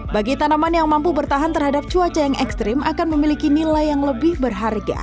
bagi tanaman yang mampu bertahan terhadap cuaca yang ekstrim akan memiliki nilai yang lebih berharga